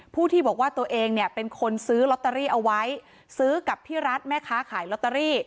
ที่บอกว่าตัวเองเนี่ยเป็นคนซื้อลอตเตอรี่เอาไว้ซื้อกับพี่รัฐแม่ค้าขายลอตเตอรี่